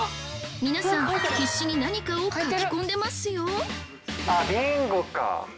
皆さん必死に何かを書き込んでますよ！